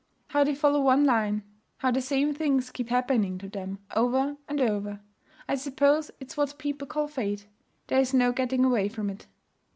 'How they follow one line; how the same things keep happening to them, over and over. I suppose it's what people call Fate. There's no getting away from it.